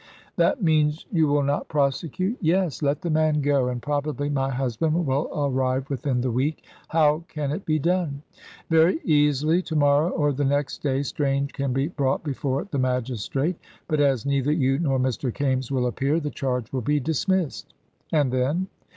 "That means you will not prosecute?" "Yes. Let the man go, and probably my husband will arrive within the week. How can it be done?" "Very easily. To morrow, or the next day, Strange can be brought before the magistrate; but as neither you nor Mr. Kaimes will appear, the charge will be dismissed." "And then?"